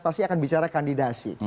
pasti akan bicara kandidasi